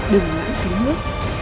đừng ngã phí nước